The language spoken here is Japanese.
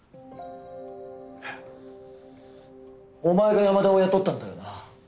お前が山田を雇ったんだよな？